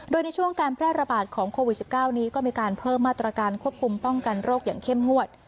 โดยในช่วงการแพร่ระบาดของโควิด๑๙นี้ก็มีการเพิ่มมาตรการควบคุมป้องกันโรคอย่างเข้มงวด